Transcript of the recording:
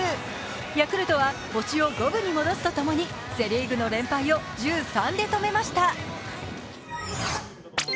ヤクルトは星を五分に戻すとともにセ・リーグの連敗を１３で止めました。